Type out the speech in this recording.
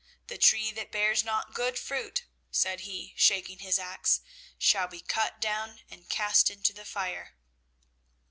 The tree that bears not good fruit,' said he, shaking his axe, 'shall be cut down, and cast into the fire.'